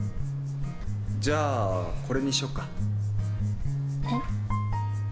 じゃあこれにしよっかえっ？